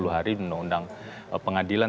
sembilan puluh hari undang undang pengadilan